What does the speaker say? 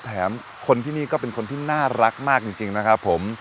แถมคนที่นี่ก็เป็นคนที่น่ารักมากจริงนะครับผม